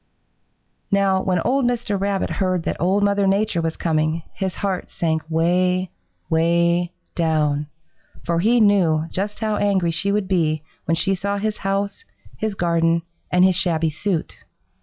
"Now when old Mr. Rabbit heard that Old Mother Nature was coming, his heart sank way, way down, for he knew just how angry she would be when she saw his house, his garden and his shabby suit.